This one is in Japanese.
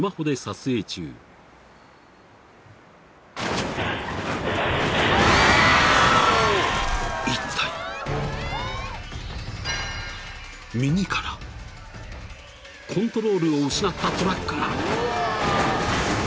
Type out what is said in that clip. ［右からコントロールを失ったトラックが］